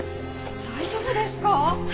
大丈夫ですか？